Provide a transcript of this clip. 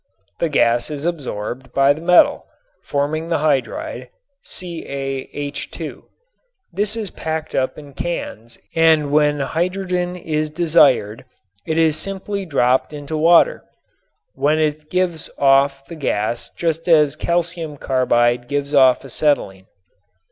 The gas is absorbed by the metal, forming the hydride (CaH_). This is packed up in cans and when hydrogen is desired it is simply dropped into water, when it gives off the gas just as calcium carbide gives off acetylene.